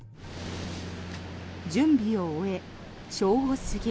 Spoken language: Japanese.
準備を終え、正午過ぎ。